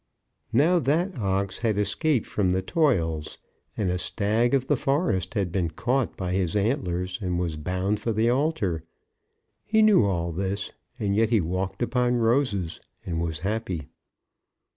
Now that ox had escaped from the toils, and a stag of the forest had been caught by his antlers, and was bound for the altar. He knew all this, and yet he walked upon roses and was happy.